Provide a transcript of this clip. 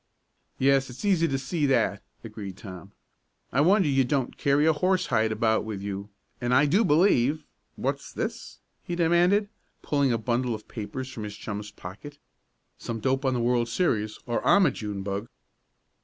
"Yes, it's easy to see that," agreed Tom. "I wonder you don't carry a horsehide about with you, and I do believe what's this?" he demanded, pulling a bundle of papers from his chum's pocket. "Some dope on the world series, or I'm a June bug!"